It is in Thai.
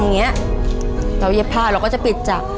เราเย็บผ้าเราก็จะปิดจาก